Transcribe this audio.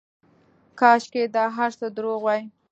کاشکې دا هرڅه درواغ واى.